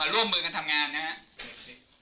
ร่วมมือกันทำงานนะครับ